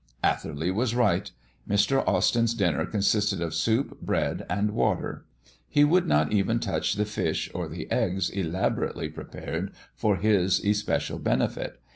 Atherley was right. Mr. Austyn's dinner consisted of soup, bread, and water. He would not even touch the fish or the eggs elaborately prepared for his especial benefit.